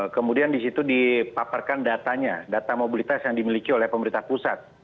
kemudian di situ dipaparkan datanya data mobilitas yang dimiliki oleh pemerintah pusat